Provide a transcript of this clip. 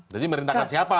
jadi merintahkan siapa